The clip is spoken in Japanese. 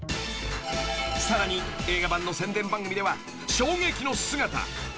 ［さらに映画版の宣伝番組では衝撃の姿］